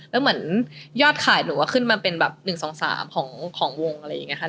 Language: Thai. แล้วเหมือนยอดขายหนูก็ขึ้นมาเป็นแบบ๑๒๓ของวงอะไรอย่างนี้ค่ะ